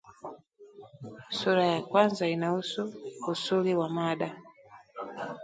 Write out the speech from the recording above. Sura ya kwanza, inahusu usuli wa mada